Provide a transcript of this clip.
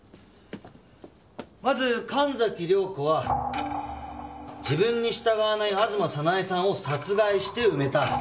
まず神崎涼子は自分に従わない吾妻早苗さんを殺害して埋めた。